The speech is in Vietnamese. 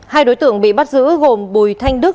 hai đối tượng bị bắt giữ gồm bùi thanh đức